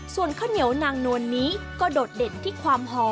ส่วนข้าวเหนียวนางนวลนี้ก็โดดเด่นที่ความหอม